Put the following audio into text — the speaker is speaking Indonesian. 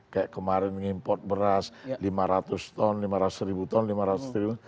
kayak kemarin ngimport beras lima ratus ton lima ratus ribu ton lima ratus triliun